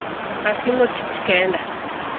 Atimo tich kenda.